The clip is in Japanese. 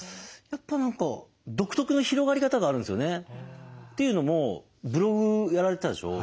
やっぱ何か独特の広がり方があるんですよね。というのもブログやられてたでしょ。